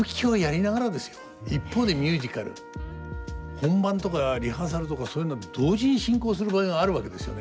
本番とかリハーサルとかそういうのは同時に進行する場合があるわけですよね。